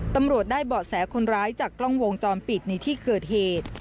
ตำรวจได้เบาะแสคนร้ายจากกล้องวงจรปิดในที่เกิดเหตุ